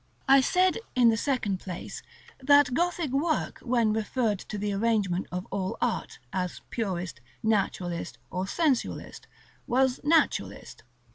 § LXVII. I said, in the second place, that Gothic work, when referred to the arrangement of all art, as purist, naturalist, or sensualist, was naturalist.